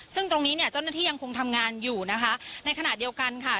ซึ่งตรงนี้เนี่ยเจ้าหน้าที่ยังคงทำงานอยู่นะคะในขณะเดียวกันค่ะ